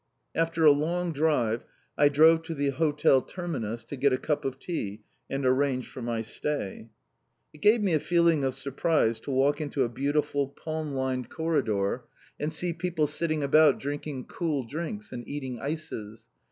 After a long drive, I drove to the Hotel Terminus to get a cup of tea and arrange for my stay. It gave me a feeling of surprise to walk into a beautiful, palm lined corridor, and see people sitting about drinking cool drinks and eating ices.